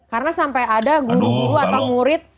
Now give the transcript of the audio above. karena sampai ada guru guru atau murid